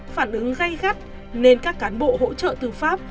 phản ứng gây gắt nên các cán bộ hỗ trợ tư pháp